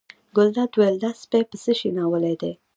ګلداد وویل دا سپی په څه شي ناولی دی.